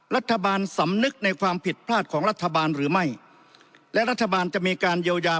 รัฐบาลสำนึกในความผิดพลาดของรัฐบาลหรือไม่และรัฐบาลจะมีการเยียวยา